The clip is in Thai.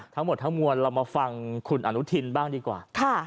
ทั้งหมดทั้งมวลเรามาฟังคุณอนุทินบ้างดีกว่า